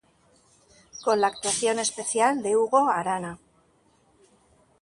Con la actuación especial de Hugo Arana.